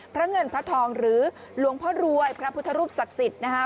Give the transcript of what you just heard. พระเงินพระทองหรือหลวงพ่อรวยพระพุทธรูปศักดิ์สิทธิ์นะคะ